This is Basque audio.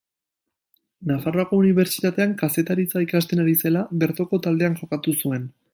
Nafarroako Unibertsitatean kazetaritza ikasten ari zela, bertoko taldean jokatu zuen.